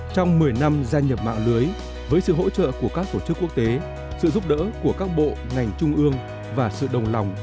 trong một mươi năm gia nhập mạng lưới với sự hỗ trợ của các tổ chức quốc tế sự giúp đỡ của các bộ ngành trung ương và sự đồng lòng